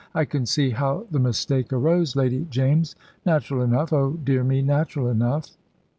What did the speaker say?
"I can see how the mistake arose, Lady James. Natural enough oh, dear me natural enough."